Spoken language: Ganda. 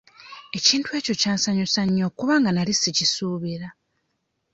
Ekintu ekyo kyansanyusa nnyo kubanga nali sikisuubira.